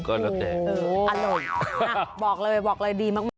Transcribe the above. ก็แล้วแตกอร่อยบอกเลยดีมาก